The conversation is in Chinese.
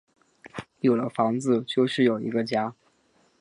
有了房子就是有一个家